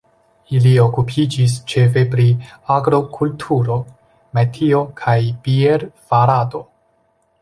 Ili okupiĝis ĉefe pri agrokulturo, metio kaj bier-farado.